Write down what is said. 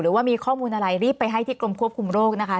ว่ามีข้อมูลอะไรรีบไปให้ที่กรมควบคุมโรคนะคะ